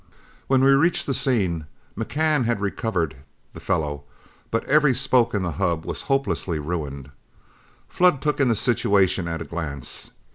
When we reached the scene, McCann had recovered the felloe, but every spoke in the hub was hopelessly ruined. Flood took in the situation at a glance.